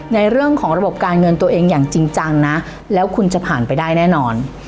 ในเรื่องของระบบการเงินตัวเองอย่างจริงจังนะแล้วคุณจะผ่านไปได้แน่นอน